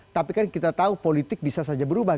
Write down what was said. tapi kan kita tahu politik bisa saja berubah